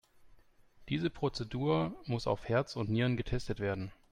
Diese Prozedur muss auf Herz und Nieren getestet werden.